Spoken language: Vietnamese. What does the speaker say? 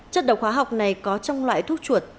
chất độc hóa học này có trong loại thuốc chuột